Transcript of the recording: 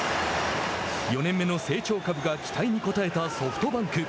４年目の成長株が期待に応えたソフトバンク。